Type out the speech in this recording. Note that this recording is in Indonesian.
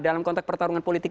dalam konteks pertarungan politik